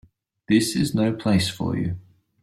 This is no place for you.